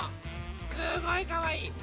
すごいかわいい！